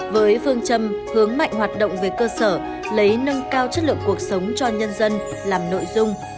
với phương châm hướng mạnh hoạt động về cơ sở lấy nâng cao chất lượng cuộc sống cho nhân dân làm nội dung